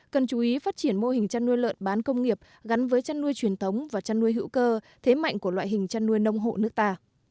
cần chú ý phát triển mô hình chăn nuôi lợn bán công nghiệp gắn với chăn nuôi truyền thống và chăn nuôi hữu cơ thế mạnh của loại hình chăn nuôi nông hộ nước ta